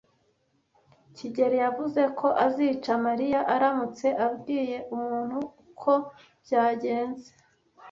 kigeli yavuze ko azica Mariya aramutse abwiye umuntu uko byagenze.